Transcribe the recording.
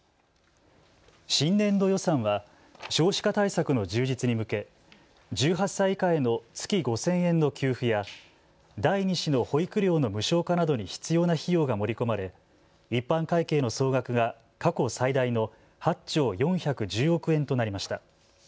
新年度予算は少子化対策の充実に向け１８歳以下への月５０００円の給付や第２子の保育料の無償化などに必要な費用が盛り込まれ一般会計の総額が過去最大の８兆４１０億円となりました。